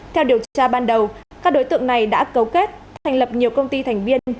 theo điều tra ban đầu các đối tượng này đã cấu kết thành lập nhiều công ty thành viên